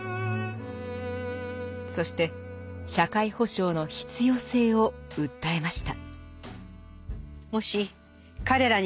そして社会保障の必要性を訴えました。